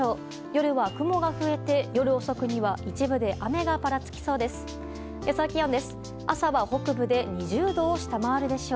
夜は雲が増えて、夜遅くには一部で雨がぱらつきそうです。